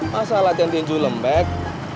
masa latihan tinju lembek